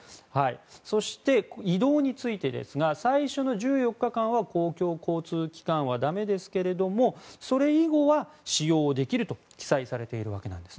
そして、移動についてですが最初の１４日間は公共交通機関はだめですけれどもそれ以後は使用できると記載されています。